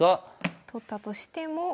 取ったとしても。